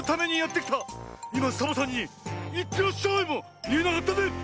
いまサボさんに「いってらっしゃい」もいえなかったね。